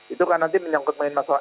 itu kan nanti menyangkut main masalah